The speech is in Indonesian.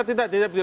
tidak tidak tidak